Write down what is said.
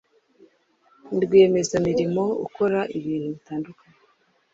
ni rwiyemezamirimo ukora ibintu bitandukanye